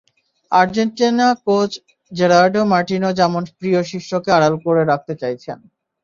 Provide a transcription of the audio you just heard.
Argentina coach Gerardo Martino যেমন প্রিয় শিষ্যকে আড়াল করে রাখতে চাইছেন।